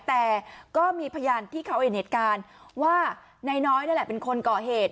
แต่ก็มีพยานที่เขาเห็นเหตุการณ์ว่านายน้อยนั่นแหละเป็นคนก่อเหตุ